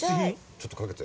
ちょっとかけて。